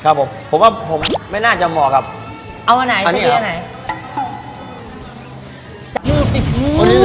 อันนั้นก็ได้ครับผม